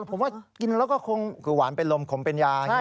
ผมว่ากินแล้วก็คงขือหวานเป็นลมขมเป็นยา